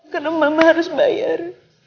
kenapa mama harus bayar